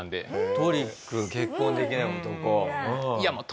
『トリック』『結婚できない男』。